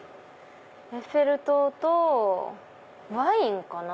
エッフェル塔とワインかな？